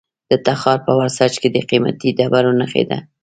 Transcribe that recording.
د تخار په ورسج کې د قیمتي ډبرو نښې دي.